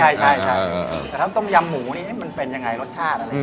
แต่ถ้าต้มยำหมูนี้มันเป็นยังไงรสชาติ